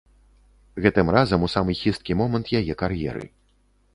Гэтым разам у самы хісткі момант яе кар'еры.